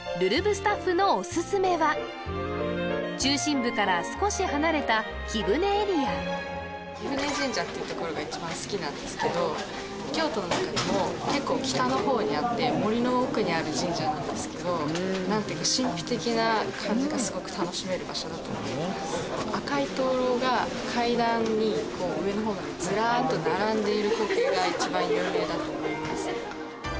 スタッフのオススメは中心部から少し離れた貴船エリア貴船神社っていうところが一番好きなんですけど京都の中でも結構北の方にあって森の奥にある神社なんですけど何てうか神秘的な感じがすごく楽しめる場所だと思います赤い灯籠が階段に上の方までずらっと並んでいる光景が一番有名だと思います